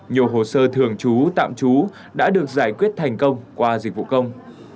nhiều hồ sơ thường trú tạm trú đã được giải quyết thành công qua dịch vụ công